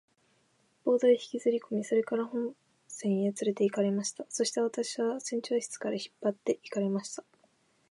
ボートへ引きずりこみ、それから本船へつれて行かれました。そして私は船長室へ引っ張って行かれました。